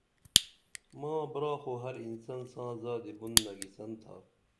ماں برا خو ہر انسان ساں زادی بُن نگِسن تھا